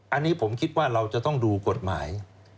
อันนี้ผมคิดว่าเราจะต้องดูกฎหมาย